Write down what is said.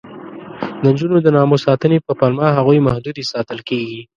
د نجونو د ناموس ساتنې په پلمه هغوی محدودې ساتل کېږي.